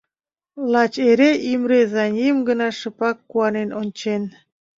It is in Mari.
Лач эре Имре Заньим гына шыпак куанен ончен.